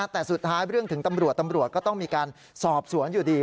แต่สุดท้ายเรื่องถึงตำรวจตำรวจก็ต้องมีการสอบสวนอยู่ดี